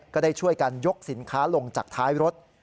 ก็ได้ช่วยกันยกสินค้าลงจากท้ายรถ